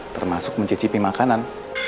termasuk mencicipi makanan